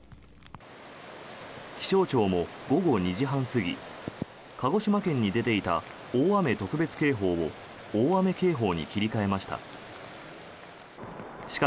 気象庁も午後２時半過ぎ鹿児島県に出ていた大雨特別警報を大雨警報に切り替えました。